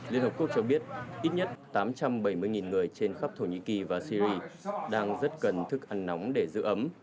liên hợp quốc cho biết ít nhất tám trăm bảy mươi người trên khắp thổ nhĩ kỳ và syri đang rất cần thức ăn nóng để giữ ấm